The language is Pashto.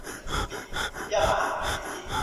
تعصب د وینو تویېدو لامل کېږي